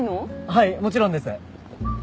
はいもちろんです。